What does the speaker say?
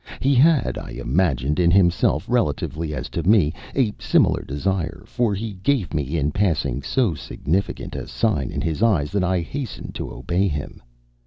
He had, I imagined, in himself, relatively as to me, a similar desire, for he gave me, in passing, so significant a sign in his eyes that I hastened to obey him.